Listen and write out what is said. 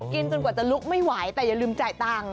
จนกว่าจะลุกไม่ไหวแต่อย่าลืมจ่ายตังค์